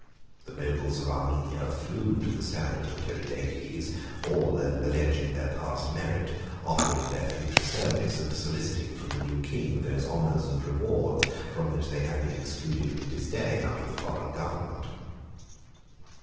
The nobles of Armenia flew to the standard of Tiridates, all alleging their past merit, offering their future service, and soliciting from the new king those honors and rewards from which they had been excluded with disdain under the foreign government.